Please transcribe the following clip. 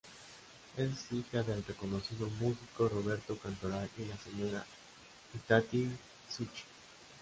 Es hija del reconocido músico Roberto Cantoral y la señora Itatí Zucchi.